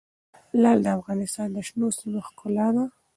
لعل د افغانستان د شنو سیمو ښکلا ده.